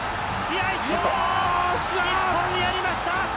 日本やりました。